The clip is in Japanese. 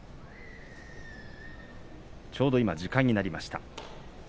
ちょうど時間になりました。